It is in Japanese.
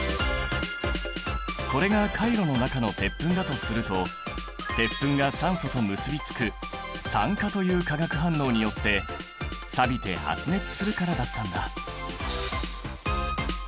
これがカイロの中の鉄粉だとすると鉄粉が酸素と結びつく酸化という化学反応によってさびて発熱するからだったんだ！